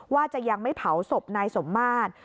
ว่าจะยังไม่เผาศพนายสมมาตร